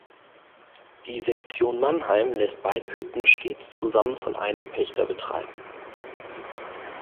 Die Sektion Mannheim lässt beide Hütten stets zusammen von einem Pächter betreiben.